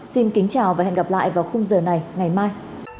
xin kính chào và hẹn gặp lại vào khung giờ này ngày mai